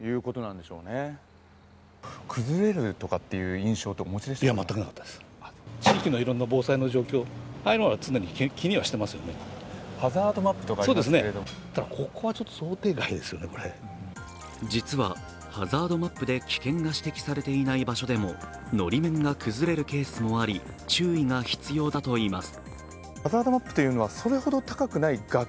気象予報士の増田さんは当時の雨について実は、ハザードマップで危険が指摘されていない場所でものり面が崩れるケースもあり注意が必要だといいます。